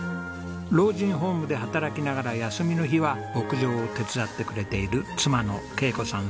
老人ホームで働きながら休みの日は牧場を手伝ってくれている妻の恵子さん